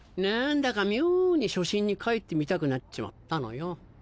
なんだか妙に初心に帰ってみたくなっちまったのよ。